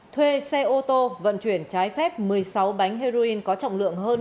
thuê xe ô tô vận chuyển trái phép một mươi sáu bánh heroin có trọng lượng hơn năm sáu kg